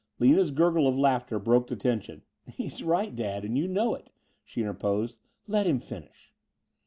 Lina's gurgle of laughter broke the tension. "He's right, Dad, and you know it," she interposed. "Let him finish."